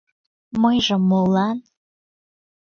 Мыйжым молан?..